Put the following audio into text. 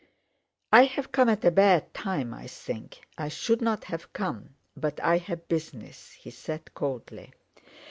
"I've come at a bad time I think. I should not have come, but I have business," he said coldly.